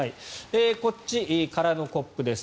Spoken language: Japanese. こっち、空のコップです。